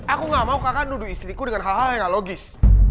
aku gak mau kakak duduk istriku dengan hal hal yang gak logis